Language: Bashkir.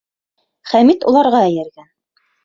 Хәмит уларға эйәргән.